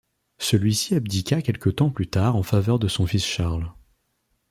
Celui-ci abdiqua quelque temps plus tard en faveur de son fils Charles.